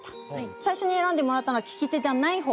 最初に選んでもらったのは利き手じゃない方。